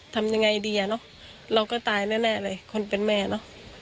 ทำยังไงดีอ่ะเนอะเราก็ตายแน่เลยคนเป็นแม่เนอะ